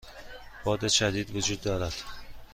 باد شدید وجود دارد.